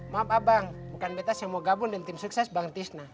maaf abang bukan kita semua gabung dengan tim sukses bang tisnak